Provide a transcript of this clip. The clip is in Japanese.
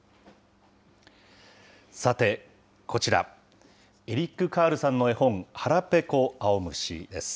さて、こちら、エリック・カールさんの絵本、はらぺこあおむしです。